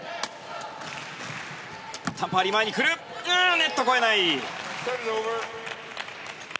ネット越えない。